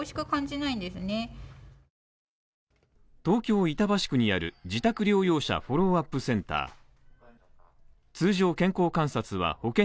東京・板橋区にある自宅療養者フォローアップセンター